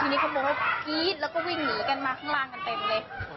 ทีนี้เขาบอกว่ากรี๊ดแล้วก็วิ่งหนีกันมาข้างล่างกันเต็มเลย